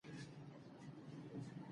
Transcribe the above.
زه د غاښونو ډاکټر یم